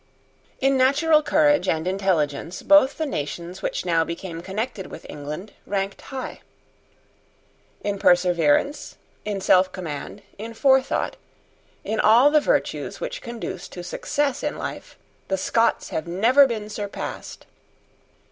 In natural courage and intelligence both the nations which now became connected with England ranked high. In perseverance, in selfcommand, in forethought, in all the virtues which conduce to success in life, the Scots have never been surpassed.